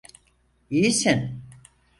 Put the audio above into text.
İyisin.